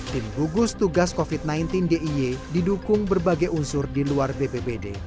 tim gugus tugas covid sembilan belas diy didukung berbagai unsur di luar bpbd